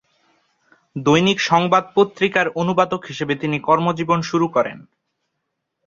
দৈনিক সংবাদ পত্রিকার অনুবাদক হিসেবে তিনি কর্মজীবন শুরু করেন।